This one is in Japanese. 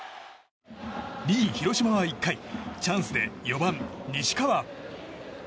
２位、広島は１回チャンスで４番、西川。